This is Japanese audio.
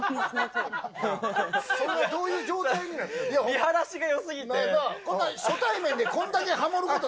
見晴らしが良すぎて。